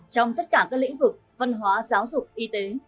trong tất cả các lĩnh vực văn hóa giáo dục y tế